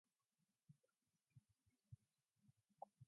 The main form of public transport in Dumaguete is the motorized tricycle.